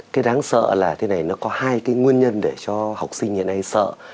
cái đáng sợ là thế này nó có hai cái nguyên nhân để cho học sinh hiện nay sợ